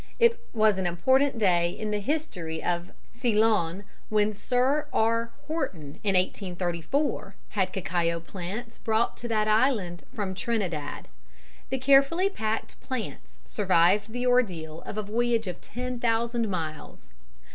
It was an important day in the history of Ceylon when Sir R. Horton, in 1834, had cacao plants brought to that island from Trinidad. The carefully packed plants survived the ordeal of a voyage of ten thousand miles.